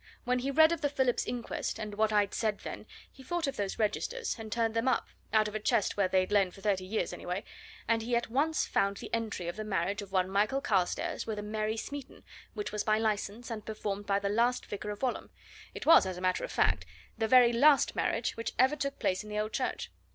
When he read of the Phillips inquest, and what I'd said then, he thought of those registers and turned them up, out of a chest where they'd lain for thirty years anyway; and he at once found the entry of the marriage of one Michael Carstairs with a Mary Smeaton, which was by licence, and performed by the last vicar of Walholm it was, as a matter of fact, the very last marriage which ever took place in the old church.